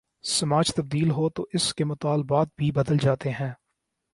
سماج تبدیل ہو تو اس کے مطالبات بھی بدل جاتے ہیں۔